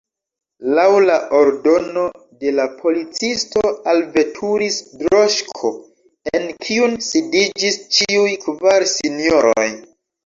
Laŭ la ordono de la policisto alveturis droŝko en kiun sidiĝis ĉiuj kvar sinjoroj.